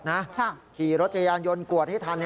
ผอบอกขี่รถจักรยนทร์ยนต์กวดให้ทัน